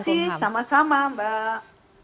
terima kasih sama sama mbak